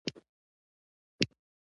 موسکا ژوند تازه کوي.